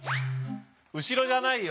後ろじゃないよ